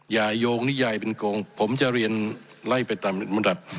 อย่ายงนิยายเป็นโกงผมจะเรียนไล่ไปตามบริษัท